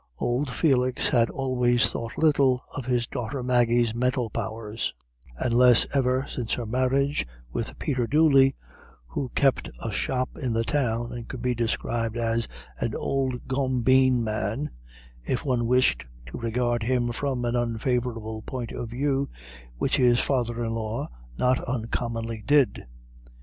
Old Felix had always thought little of his daughter Maggie's mental powers, and less ever since her marriage with Peter Dooley, who kept a shop in the Town, and could be described as "an ould gombeen man," if one wished to regard him from an unfavourable point of view, which his father in law not uncommonly did.